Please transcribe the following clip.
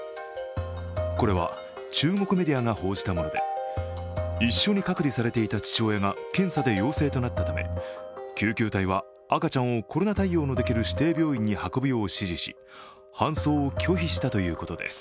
これは中国メディアが報じたもので、一緒に隔離されていた父親が検査で陽性となったため救急隊は赤ちゃんをコロナ対応のできる指定病院に運ぶよう指示し、搬送を拒否したということです。